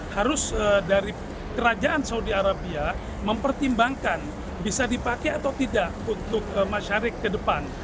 harus dari kerajaan saudi arabia mempertimbangkan bisa dipakai atau tidak untuk masyarakat ke depan